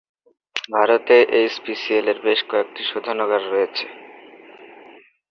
ভারতে এইচপিসিএল-এর বেশ কয়েকটি শোধনাগার রয়েছে।